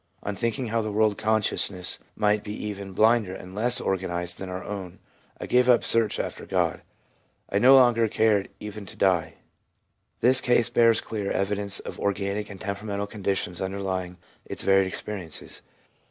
On thinking how the world consciousness might be even blinder and less organised than our own, I gave up the search after God. I no longer cared even to die.' This case bears clear evidence of organic and temperamental conditions under lying its varied experiences.